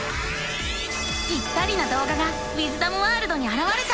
ぴったりなどうががウィズダムワールドにあらわれた。